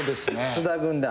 津田軍団。